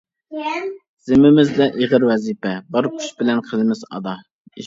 زىممىمىزدە ئېغىر ۋەزىپە، بار كۈچ بىلەن قىلىمىز ئادا.